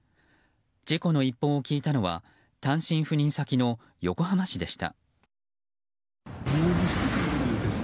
事故の一報を聞いたのは単身赴任先の横浜市でした。